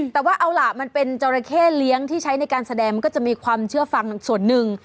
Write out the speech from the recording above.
แต่ว่าเอาล่ะมันเป็นจราเข้เลี้ยงที่ใช้ในการแสดงมันก็จะมีความเชื่อฟังส่วนหนึ่ง